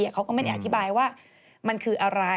เขาก็ไม่ได้อธิบายว่ามันคืออะไร